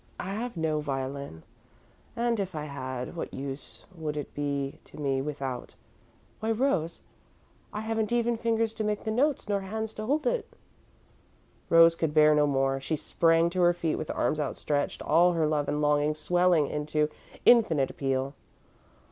I have no violin, and, if I had, what use would it be to me without why Rose, I haven't even fingers to make the notes nor hands to hold it." Rose could bear no more. She sprang to her feet with arms outstretched, all her love and longing swelling into infinite appeal.